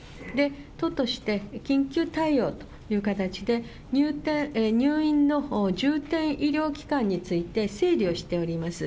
都として、緊急対応という形で、入院の重点医療機関について整理をしております。